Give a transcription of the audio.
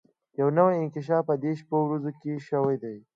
يو نوی انکشاف په دې شپو ورځو کې شوی دی.